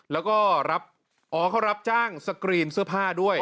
แล้วก็รับอ๋อเขารับจ้างสกรีนเสื้อผ้าด้วย